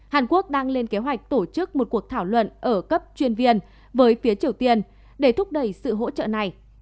hàn quốc đang lên kế hoạch tổ chức một cuộc thảo luận ở cấp chuyên viên với phía triều tiên để thúc đẩy sự hỗ trợ này